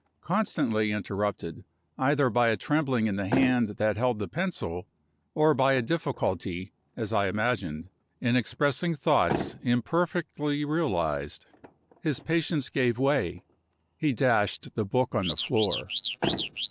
Constantly interrupted either by a trembling in the hand that held the pencil, or by a difficulty (as I imagined) in expressing thoughts imperfectly realized his patience gave way; he dashed the book on the floor.